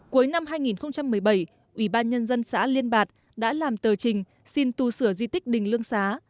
cuối năm hai nghìn một mươi bảy ubnd xã liên bạc đã làm tờ trình xin tu sửa di tích đình lương xá